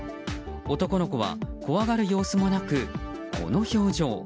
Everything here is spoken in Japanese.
男の子は怖がる様子もなくこの表情。